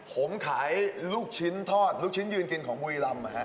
ผมขายลูกชิ้นทอดลูกชิ้นยืนกินของบุรีรำ